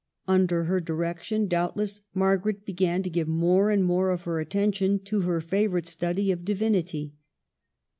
Under her direction, doubt less, Margaret began to give more and more of her attention to her favorite study of Divinity.